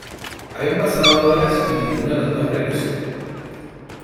Habían pasado horas y ninguno de los dos regresó.